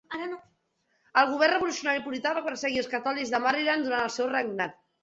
El govern revolucionari purità va perseguir els catòlics de Maryland durant el seu regnat.